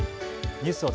ニュースを